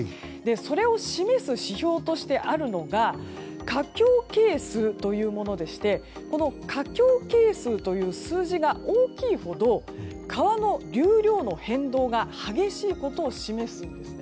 それを示す指標としてあるのが河況係数というものでしてこの河況係数という数字が大きいほど川の流量の変動が激しいことを示すんです。